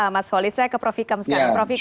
mas holis saya ke prof hikam sekarang